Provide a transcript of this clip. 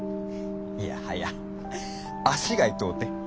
いやはや足が痛うて。